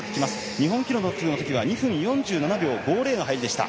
日本記録のときは２分４７秒５０の入りでした。